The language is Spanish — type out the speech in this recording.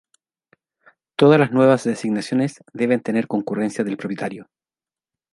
Todas las nuevas designaciones deben tener concurrencia del propietario.